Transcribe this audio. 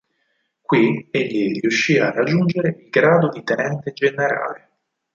Qui egli riuscì a raggiungere il grado di Tenente Generale.